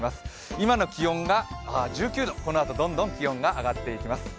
今の気温が１９度、このあとどんどん気温が上がってきます。